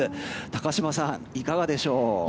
高島さん、いかがでしょう。